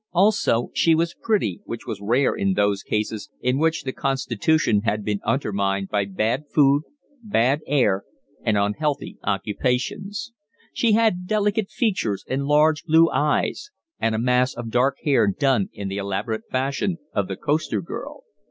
Also she was pretty, which was rare in those classes in which the constitution has been undermined by bad food, bad air, and unhealthy occupations; she had delicate features and large blue eyes, and a mass of dark hair done in the elaborate fashion of the coster girl.